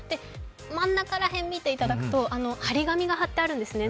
真ん中ら辺、見ていただくと、貼り紙が貼ってあるんですね。